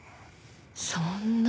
そんな。